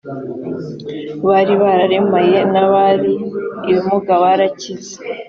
bari bararemaye a n abari ibimuga barakize